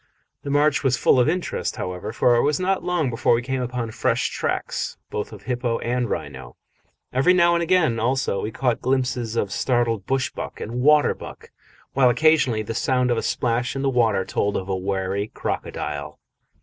The march was full of interest, however, for it was not long before we came upon fresh tracks both of hippo and rhino. Every now and again, also, we caught glimpses of startled bush buck and water buck, while occasionally the sound of a splash in the water told of a wary crocodile.